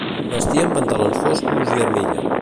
Vestien pantalons foscos i armilla.